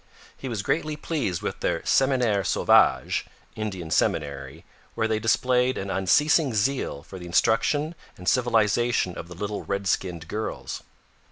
He was greatly pleased with their Seminaire Sauvage (Indian seminary), where they displayed an unceasing zeal for the instruction and civilization of the little red skinned girls.